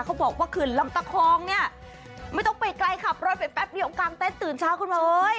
เขาบอกว่าเขื่อนลำตะคองเนี่ยไม่ต้องไปไกลขับรถไปแป๊บเดียวกลางเต็นตื่นเช้าขึ้นมาเอ้ย